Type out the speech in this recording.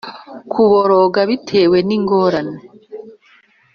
Kuboroga bitewe n ingorane